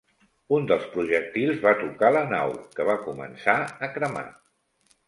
Un dels projectils va tocar la nau, que va començar a cremar.